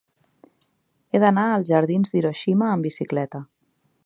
He d'anar als jardins d'Hiroshima amb bicicleta.